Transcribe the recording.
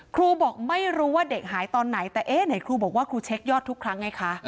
ครูบอกไม่รู้ว่าเด็กหายตอนไหนแต่เอ๊ะไหนครูบอกว่าครูเช็คยอดทุกครั้งไงคะ